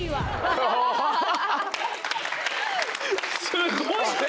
すごいね！